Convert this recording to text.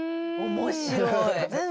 面白い！